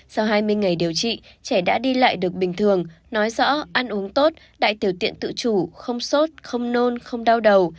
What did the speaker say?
sau hai mươi ngày điều trị trẻ đã đi lại được bình thường nói rõ ăn uống tốt đại tiểu tiện tự chủ không sốt không nôn không đau đầu